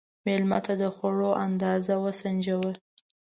مېلمه ته د خوړو اندازه وسنجوه.